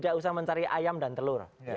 tidak usah mencari ayam dan telur